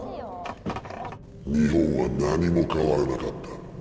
日本は何も変わらなかった。